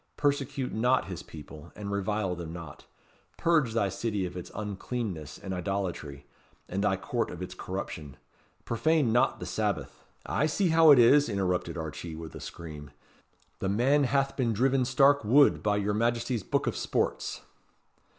Persecute not His people, and revile them not. Purge thy City of its uncleanness and idolatry, and thy Court of its corruption. Profane not the Sabbath" "I see how it is," interrupted Archee with a scream; "the man hath been driven stark wud by your Majesty's Book of Sports."